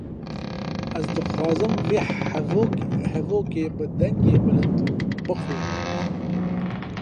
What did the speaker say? Ez dixwazim vê hevokê bi dengê bilind bixwînim